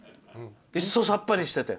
いっそさっぱりしてて。